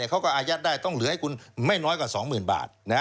เขาก็อายัดได้ต้องเหลือให้คุณไม่น้อยกว่า๒๐๐๐บาท